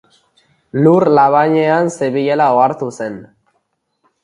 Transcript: Lur labainean zebilela ohartu zen.